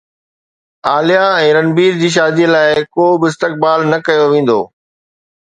عاليا ۽ رنبير جي شادي لاءِ ڪو به استقبال نه ڪيو ويندو